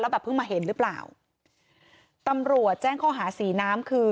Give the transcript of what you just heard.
แบบเพิ่งมาเห็นหรือเปล่าตำรวจแจ้งข้อหาสีน้ำคือ